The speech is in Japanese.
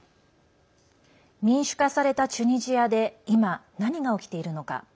民主化されたチュニジアで今、何が起きているのか。